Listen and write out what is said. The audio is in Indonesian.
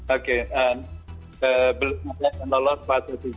oke belum ada yang lolos fase tiga